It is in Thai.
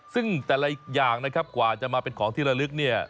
ซึ่งแต่ละอย่างนะครับกว่าจะมาเป็นของที่ระลึกเนี่ย